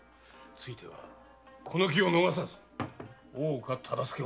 ついてはこの期を逃さず大岡忠相をだし抜きたい。